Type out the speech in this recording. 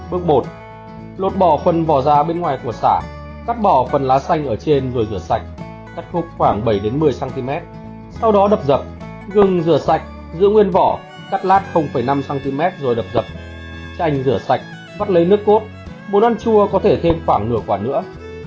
bước một lột bỏ phần vỏ ra bên ngoài của xả cắt bỏ phần lá xanh ở trên rồi rửa sạch cắt khúc khoảng bảy một mươi cm sau đó đập dập gừng rửa sạch giữ nguyên vỏ cắt lát năm cm rồi đập dập tranh rửa sạch vắt lấy nước cốt bộ ăn chua có thể thêm khoảng nửa quả nữa